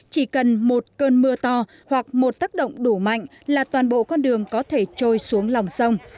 chỉ cần một cơn mưa to hoặc một tác động đủ mạnh là toàn bộ con đường có thể trôi xuống lòng sông